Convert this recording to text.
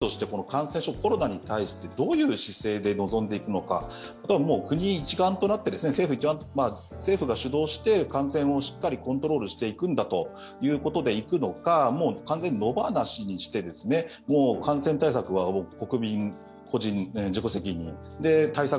それ以前に、まず政府として感染症、コロナに対してどういう姿勢で臨んでいくのか、あとは国一丸となって、政府が主導して感染をしっかりコントロールしていくんだということでいくのか完全に野放しにして感染対策は国民の個人、自己責任、対策